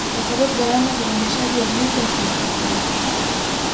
kwasababu gharama za uendeshaji wa vita zilikuwa kubwa